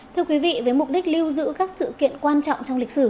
thưa quý vị với mục đích lưu giữ các sự kiện quan trọng trong lịch sử